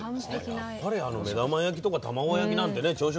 やっぱりあの目玉焼きとかたまご焼きなんてね朝食